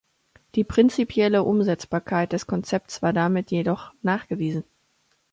Die prinzipielle Umsetzbarkeit des Konzepts war damit jedoch nachgewiesen.